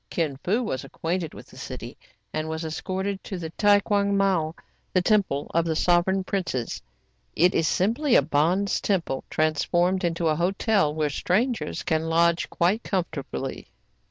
Kin Fo was acquainted with the city, and was escorted to the Tae Ouang Miao, — the Temple of the Sovereign Princes. It is simply a bonze temple transformed into a hotel, where strangers can lodge quite comfortably.